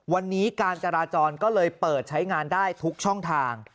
วันนี้การจราจรก็เลยเปิดใช้งานได้ทุกช่องทาง